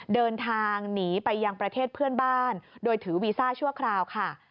เดินทางหนีไปยังประเทศเพื่อนบ้านโดยถือวีซ่าชั่วคราวค่ะ